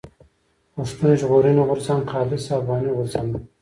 پښتون ژغورني غورځنګ خالص افغاني غورځنګ دی.